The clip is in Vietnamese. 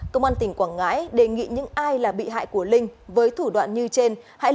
công an tỉnh quảng ngãi đề nghị những ai là bị hại của linh với thủ đoạn như trên